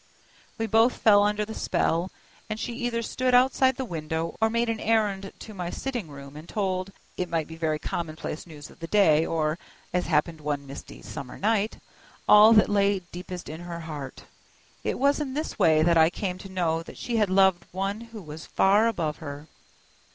We both fell under the spell, and she either stood outside the window, or made an errand to my sitting room, and told, it might be very commonplace news of the day, or, as happened one misty summer night, all that lay deepest in her heart. It was in this way that I came to know that she had loved one who was far above her.